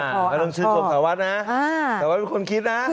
ก็ต้องชื่นสมศาวัฒน์นะสมศาวัฒน์เป็นคนคิดนะ